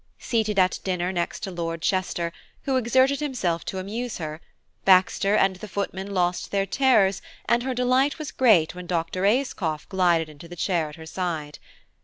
Seated at dinner next to Lord Chester, who exerted himself to amuse her, Baxter and the footman lost their terrors, and her delight was great when Dr. Ayscough glided into the chair at her side.